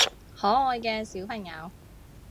可愛嘅小朋友